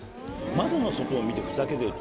窓の外を見てふざけてる？